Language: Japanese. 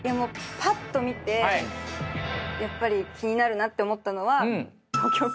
ぱっと見てやっぱり気になるなって思ったのは。